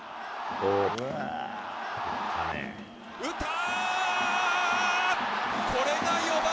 打った！